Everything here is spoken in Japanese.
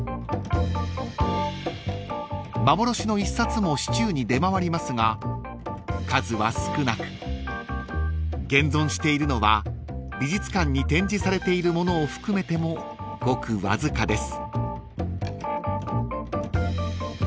［幻の一冊も市中に出回りますが数は少なく現存しているのは美術館に展示されているものを含めてもごくわずかです］